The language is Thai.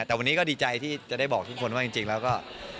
แต่วันนี้ก็ดีใจที่จะได้บอกทุกคนว่าจริงแล้วก็